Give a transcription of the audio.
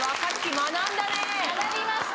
学びました。